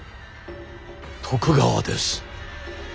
徳川です。